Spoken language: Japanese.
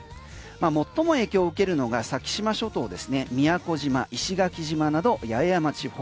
最も影響を受けるのが先島諸島ですね宮古島、石垣島など八重山地方。